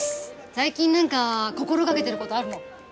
最近なんか心がけてることあるの？